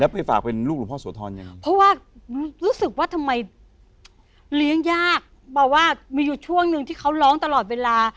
ไปฝากเป็นลูกหลวงพ่อโสธรยังเพราะว่ารู้สึกว่าทำไมเลี้ยงยากเพราะว่ามีอยู่ช่วงหนึ่งที่เขาร้องตลอดเวลา